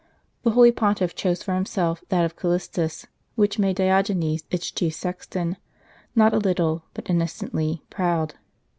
The holy Pontiff chose for himself that of Callistus, which made Diogenes, its chief sexton, not a little, but innocently, proud.